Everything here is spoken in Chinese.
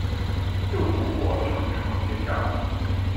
就读过成城学校。